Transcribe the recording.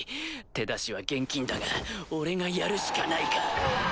手出しは厳禁だが俺がやるしかないか。